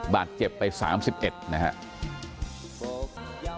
บาทเจ็บไปสามสิบเอ็ดนะฮะ